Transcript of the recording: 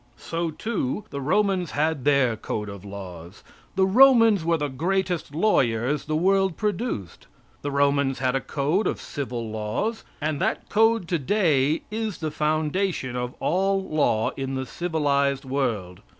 So, too, the Romans had their code of laws. The Romans were the greatest lawyers the world produced. The Romans had a code of civil laws, and that code today is the foundation of all law in the civilized world.